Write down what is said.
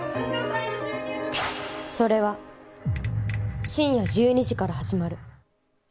それは、深夜１２時から始まる。